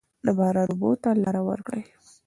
د باران اوبو ته لاره ورکړئ.